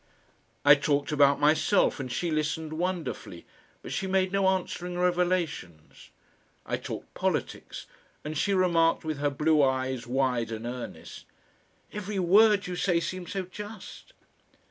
I talked about myself and she listened wonderfully, but she made no answering revelations. I talked politics, and she remarked with her blue eyes wide and earnest: "Every WORD you say seems so just."